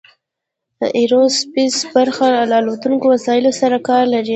ایرو سپیس برخه له الوتونکو وسایلو سره کار لري.